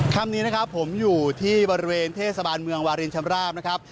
คำนี้นะครับผมอยู่ที่บริเวณเทศบาลเมืองวารินชำราบนะครับ